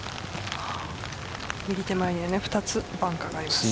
右手前に２つバンカーがあります。